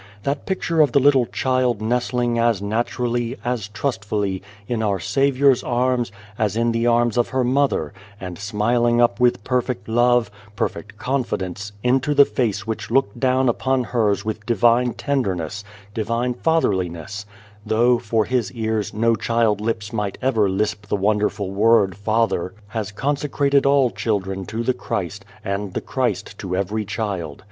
That picture of the little child nestling as naturally, as trustfully, in our Saviour's arms, as in the arms of her mother, and smiling up with perfect love, perfect confidence, into the face which looked down upon hers with Divine tenderness, Divine Fatherliness though, for His ears, no child lips might ever lisp the wonderful word ' Father ' has consecrated all children to the Christ, and the Christ to every child.